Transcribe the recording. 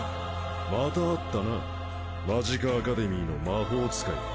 また会ったなマジカアカデミーの魔法使い